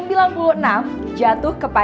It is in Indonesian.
mama gak mau bantuin kamu